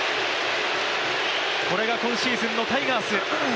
これが今シーズンのタイガース。